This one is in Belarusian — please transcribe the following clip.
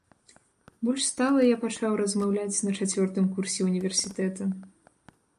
Больш стала я пачаў размаўляць на чацвёртым курсе ўніверсітэта.